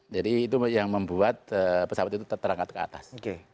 jadi itu yang membuat pesawat itu terangkat ke atas